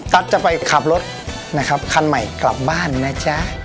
จะไปขับรถนะครับคันใหม่กลับบ้านนะจ๊ะ